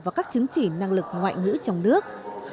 vào các chứng chỉ năng lực ngoại ngữ trong nước